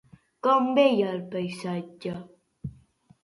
Com veia el paisatge?